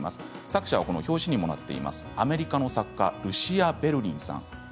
作者は表紙にもなっているアメリカの作家ルシア・ベルリンさん